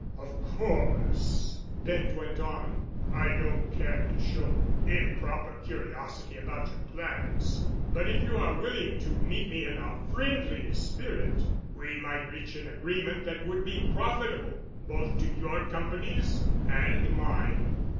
"Of course," Bent went on, "I don't care to show improper curiosity about your plans, but if you are willing to meet me in a friendly spirit we might reach an agreement that would be profitable both to your companies and mine."